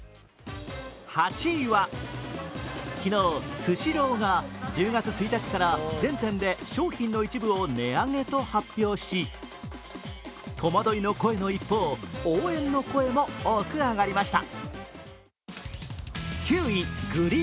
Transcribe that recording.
８位は、昨日、スシローが１０月１日から全店で商品の一部を値上げと発表し戸惑いの声の一方応援の声も多く上がりました。